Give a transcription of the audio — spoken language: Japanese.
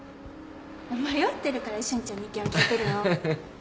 迷ってるから瞬ちゃんに意見を聞いてるの。